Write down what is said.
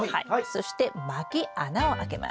そしてまき穴をあけます。